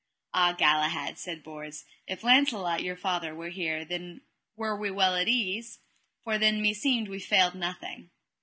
Ah Galahad, said Bors, if Launcelot, your father, were here then were we well at ease, for then meseemed we failed nothing.